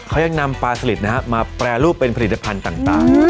เขายังนำปลาสลิดนะฮะมาแปรรูปเป็นผลิตภัณฑ์ต่าง